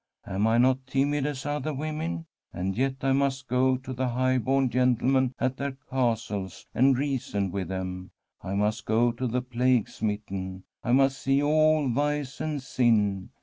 Am I not timid as other women? And yet I must go to the high born Santa CATERINA of SIENA fentlemen at their castles and reason with them, must go to the plague smitten, I must see all vice and sin.